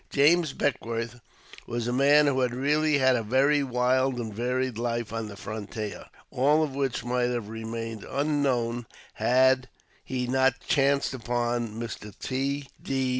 James Beckwourth was a man who had really had a very wild and varied life on the frontier, all of which might have remained unknown had he not chanced upon Mr. T. D.